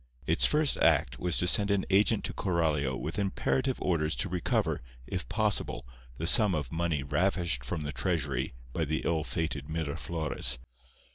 Its first act was to send an agent to Coralio with imperative orders to recover, if possible, the sum of money ravished from the treasury by the ill fated Miraflores.